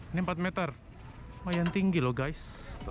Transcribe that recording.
ini empat meter lumayan tinggi loh guys